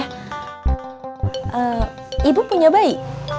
ehm ibu punya bayi